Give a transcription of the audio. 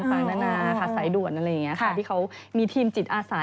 สายด่วนอะไรอย่างนี้ค่ะที่เขามีทีมจิตอาสาร